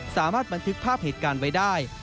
สามารถบันทึกภาพเหตุการณ์ไว้ได้